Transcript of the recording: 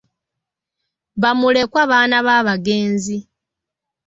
Ba mulekwa baana b'abagenzi.